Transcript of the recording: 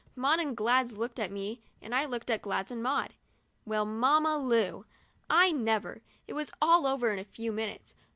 Maud and Gladys looked at me, and I looked at Gladys and Maud. Well, Mamma Lu ! I never — it was all over in a few minutes.